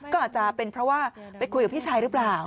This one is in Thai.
ก็อาจจะเป็นเพราะว่าไปคุยกับพี่ชายหรือเปล่า